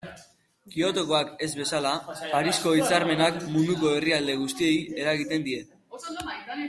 Kyotokoak ez bezala, Parisko hitzarmenak munduko herrialde guztiei eragingo die.